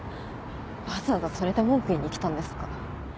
わざわざそれで文句言いに来たんですか？